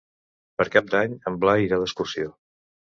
Per Cap d'Any en Blai irà d'excursió.